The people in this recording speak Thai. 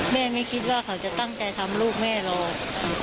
ไม่คิดว่าเขาจะตั้งใจทำลูกแม่หรอก